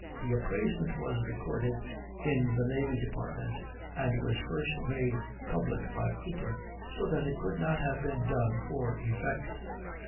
The appraisement was recorded in the Navy Department, and was first made public by Cooper, so that it could not have been done for effect.